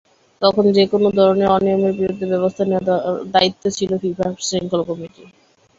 তখন যেকোনো ধরনের অনিয়মের বিরুদ্ধে ব্যবস্থা নেওয়ার দায়িত্ব ছিল ফিফার শৃঙ্খলা কমিটির।